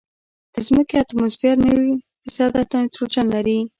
د ځمکې اتموسفیر نوي فیصده نایټروجن لري.